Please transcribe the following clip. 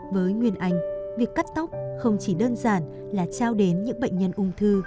với nguyên anh việc cắt tóc không chỉ đơn giản là trao đến những bệnh nhân ung thư